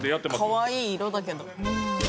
かわいい色だけど。